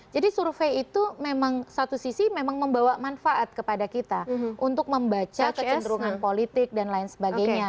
jadi survei itu memang satu sisi memang membawa manfaat kepada kita untuk membaca kecenderungan politik dan lain sebagainya